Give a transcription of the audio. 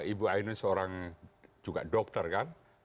ibu ainun seorang juga dokter kan